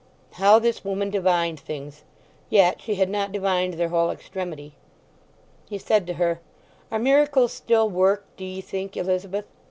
How this woman divined things! Yet she had not divined their whole extremity. He said to her, "Are miracles still worked, do ye think, Elizabeth?